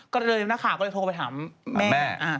ก็เดินเรียบหน้าข่าวก็เลยโทรไปถามแม่